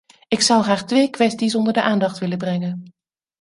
Ik zou graag twee kwesties onder de aandacht willen brengen.